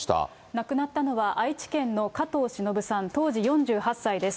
亡くなったのは、愛知県の加藤しのぶさん当時４８歳です。